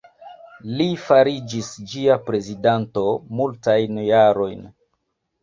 Li fariĝis ĝia prezidanto multajn jarojn.